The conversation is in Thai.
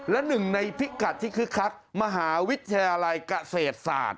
และหนึ่งในพิกัดที่คึกคักมหาวิทยาลัยเกษตรศาสตร์